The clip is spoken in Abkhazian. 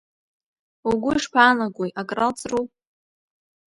Угәы ишԥаанагои, акралҵру?